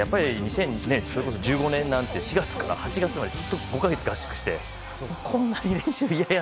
それこそ２０１５年なんて４月から８月までずっと５か月、合宿してこんなに練習嫌や！